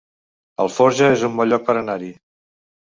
Alforja es un bon lloc per anar-hi